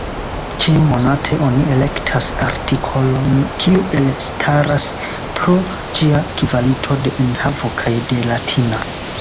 Ĉiumonate oni elektas artikolon kiu elstaras pro ĝia kvalito de enhavo kaj de latina.